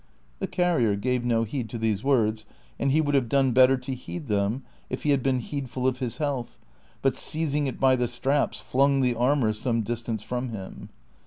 The carrier gave no heed to these words (and he would have done better to heed them if he had been heedful of his health), but seizing it by the strajis flung the armor some distance from him.